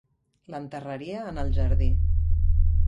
L'enterraria en el jardí.